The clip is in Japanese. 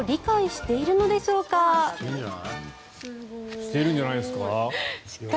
しているんじゃないですか？